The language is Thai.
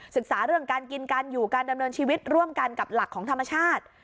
ศึกษาเรื่องการกินกันอยู่การดำเนินชีวิตร่วมกันกับหลักของธรรมชาติ